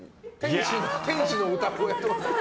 天使の歌声